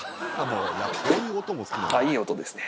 ああ、いい音ですね。